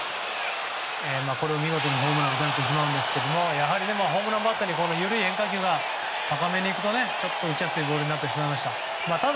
見事にホームランを打たれてしまうんですがやはり、ホームランバッターに緩い変化球が高めにいくとちょっと打ちやすいボールになってしまいました。